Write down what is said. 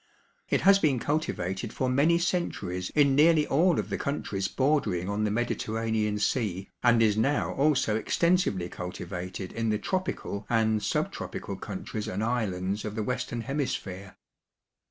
It has been cultivated for many centuries in nearly all of the countries bordering on the Mediterranean Sea and is now also extensively cultivated in the tropical and sub tropical countries and islands of the Western Hemisphere.